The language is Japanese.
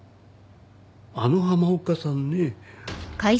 あの浜岡さんね。